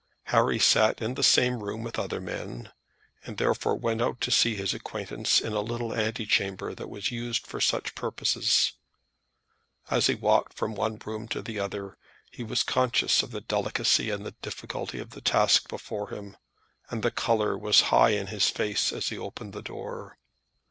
Harry sat in the same room with other men, and therefore went out to see his acquaintance in a little antechamber that was used for such purposes. As he walked from one room to the other, he was conscious of the delicacy and difficulty of the task before him, and the colour was high in his face as he opened the door.